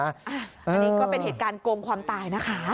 อันนี้ก็เป็นเหตุการณ์โกงความตายนะคะ